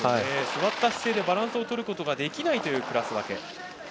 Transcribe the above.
座った姿勢でバランスをとることができないというクラス分け。